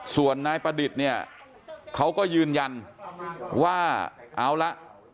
ส่วนนายประดิษฐ์เนี่ยเขาก็ยืนยันว่าเอาละ